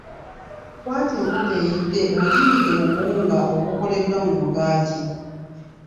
Kwata enkoko eyidde oginnyike mu buwunga obukoleddwa mu mugaati.